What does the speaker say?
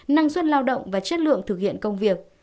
năng suất lao động và chất lượng thực hiện công việc